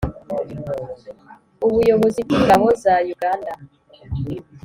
ubuyobozi bw'ingabo za uganda.